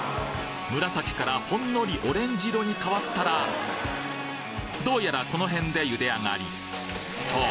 紫からほんのりオレンジ色に変わったらどうやらこのへんで茹で上がりさあ